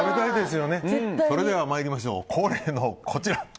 それでは参りましょう恒例の、こちら。